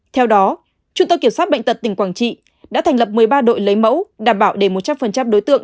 theo đó trung tâm kiểm soát bệnh tật tỉnh quảng trị đã thành lập một mươi ba đội lấy mẫu đảm bảo để một trăm linh đối tượng